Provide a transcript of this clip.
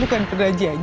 suatu perumpamaan yang